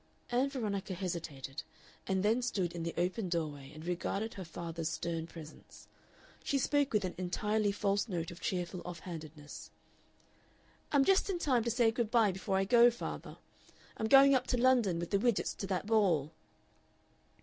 Ann Veronica hesitated, and then stood in the open doorway and regarded her father's stern presence. She spoke with an entirely false note of cheerful off handedness. "I'm just in time to say good bye before I go, father. I'm going up to London with the Widgetts to that ball."